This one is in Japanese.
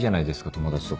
友達とか。